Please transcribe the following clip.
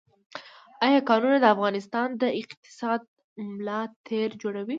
آیا کانونه د افغانستان د اقتصاد ملا تیر جوړوي؟